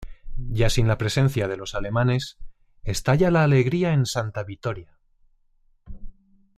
Ya sin la presencia de los alemanes, estalla la alegría en Santa Vittoria.